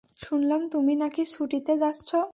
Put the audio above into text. শুনলাম তুমি নাকি ছুটিতে যাচ্ছ?